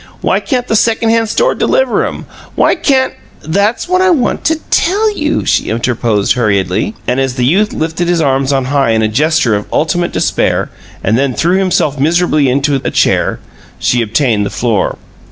Why can't the second hand store deliver 'em? Why can't " "That's what I want to tell you," she interposed, hurriedly, and as the youth lifted his arms on high in a gesture of ultimate despair, and then threw himself miserably into a chair, she obtained the floor.